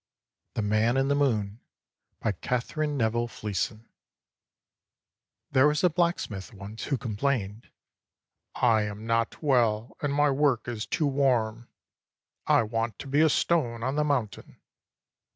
THE MAN IN THE MOON BY KATHERINE NEVILLE FLEESON There was a blacksmith once who complained: ''I am not well, and my work is too warm. I want to be a stone on the mountain.